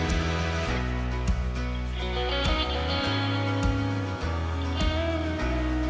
itu bagian dari